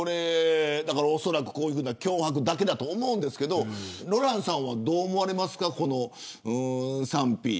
おそらくこういうふうな脅迫だけだと思うんですけれどロランさんはどう思われますかこの賛否。